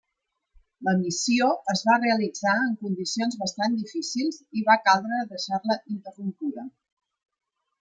La missió es va realitzar en condicions bastant difícils i va caldre deixar-la interrompuda.